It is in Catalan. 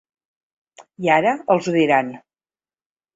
I ara els ho diran.